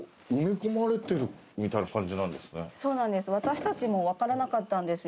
そうなんです。